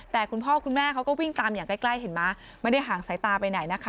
แต่คุณพ่อคุณแม่เขาก็วิ่งตามอย่างใกล้เห็นไหมไม่ได้ห่างสายตาไปไหนนะคะ